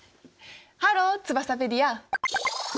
ハローツバサペディア。